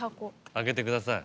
開けてください。